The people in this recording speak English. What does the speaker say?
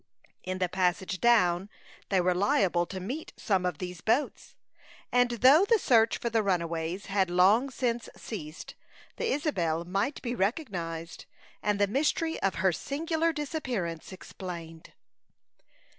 In the passage down, they were liable to meet some of these boats; and though the search for the runaways had long since ceased, the Isabel might be recognized, and the mystery of her singular disappearance explained.